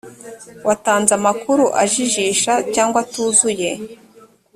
watanze amakuru ajijisha cyangwa atuzuye